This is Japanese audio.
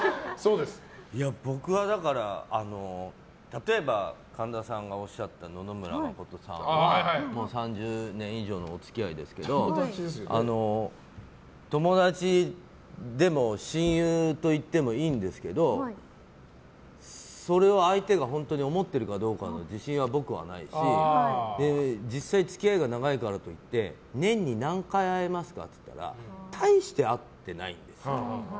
僕はだから例えば神田さんがおっしゃった野々村真さんは３０年以上のお付き合いですけど友達でも親友と言ってもいいんですけどそれを相手が本当に思ってるかどうかの自信は僕はないし実際付き合いが長いからといって年に何回会えますかって言ったらたいして会ってないんですよ。